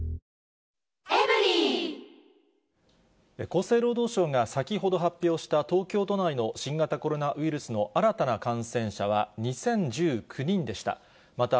厚生労働省が先ほど発表した東京都内の新型コロナウイルスの新たな感染者は２０１９人でした。